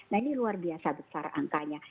nah ini luar biasa besar angkanya